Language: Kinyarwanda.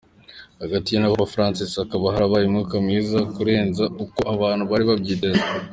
Hagati ye na Papa Francis hakaba harabaye umwuka mwiza kurenza uko abantu bari babyiteze.